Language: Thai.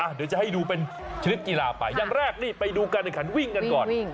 เดี๋ยวจะให้ดูเป็นชนิดกีฬาไปอย่างแรกนี่ไปดูการแข่งขันวิ่งกันก่อน